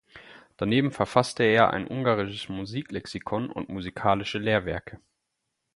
Daneben verfasste er ein ungarisches Musiklexikon und musikalische Lehrwerke.